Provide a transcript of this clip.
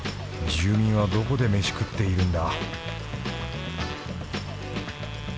住民はどこで飯食っているんだ？